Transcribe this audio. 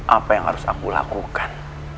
apa yang harus aku lakukan